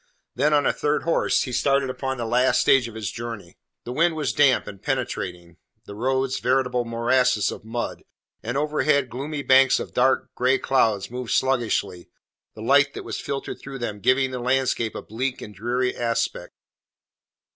Then on a third horse he started upon the last stage of his journey. The wind was damp and penetrating; the roads veritable morasses of mud, and overhead gloomy banks of dark, grey clouds moved sluggishly, the light that was filtered through them giving the landscape a bleak and dreary aspect.